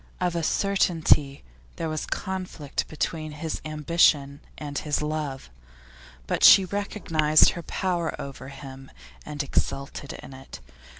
Of a certainty there was conflict between his ambition and his love, but she recognised her power over him and exulted in it.